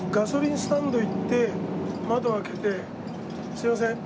「すいません